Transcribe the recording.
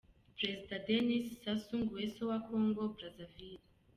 Perezida Denis Sassou Nguesso wa Congo Brazzaville.